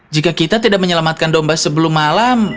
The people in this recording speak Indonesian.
jika kita tidak menyelamatkan domba sebelum malam